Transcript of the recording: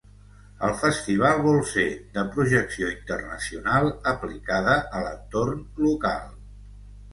El festival vol ser de projecció internacional aplicada a l’entorn local.